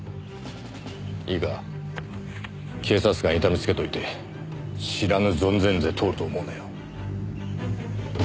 いいか警察官痛めつけといて知らぬ存ぜぬで通ると思うなよ。